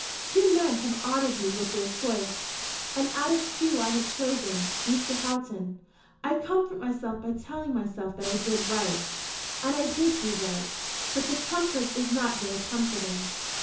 Two men have honoured me with their choice, and out of the two I have chosen Mr. Houghton. I comfort myself by telling myself that I did right; and I did do right. But the comfort is not very comforting."